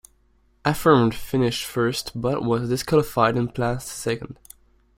Affirmed finished first but was disqualified and placed second.